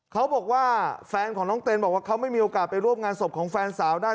เขาบอกว่าแฟนของน้องเต้นบอกว่าเขาไม่มีโอกาสไปร่วมงานศพของแฟนสาวได้